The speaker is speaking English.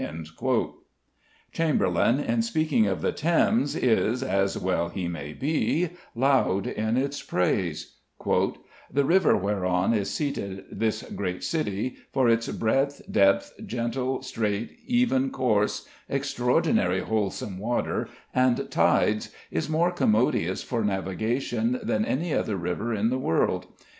Chamberlayne, in speaking of the Thames, is, as well he may be, loud in its praise: "The river whereon is seated this great city, for its breadth, depth, gentle, straight, even course, extraordinary wholesome water, and tides, is more commodious for navigation than any other river in the world.